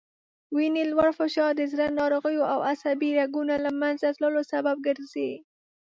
وینې لوړ فشار د زړه ناروغیو او عصبي رګونو له منځه تللو سبب ګرځي